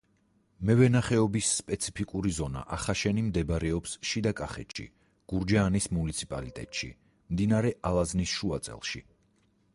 მევენახეობის სპეციფიკური ზონა ახაშენი მდებარეობს შიდა კახეთში, გურჯაანის მუნიციპალიტეტში, მდინარე ალაზნის შუა წელში.